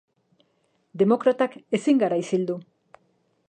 Demokratak ezin gara isildu.